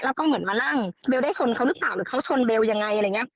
แล้วก็เหมือนมานั่งเบลได้ชนเขาหรือเปล่าหรือเขาชนเบลยังไงอะไรอย่างนี้